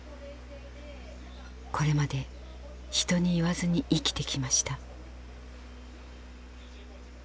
これまで人に言わずに生きてきました。